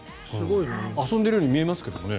遊んでいるように見えますけどね。